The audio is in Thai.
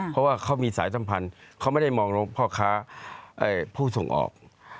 เพราะว่าเขามีสายสัมพันธ์เขาไม่ได้มองพ่อค้าผู้ส่งออก